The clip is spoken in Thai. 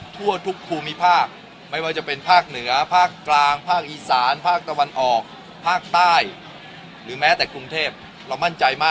ทั่วทุกภูมิภาคไม่ว่าจะเป็นภาคเหนือภาคกลางภาคอีสานภาคตะวันออกภาคใต้